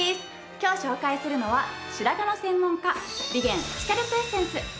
今日紹介するのは白髪の専門家ビゲンスキャルプエッセンス。